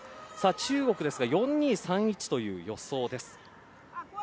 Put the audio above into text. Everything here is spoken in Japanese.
中国ですが４−２−３−１という予想です。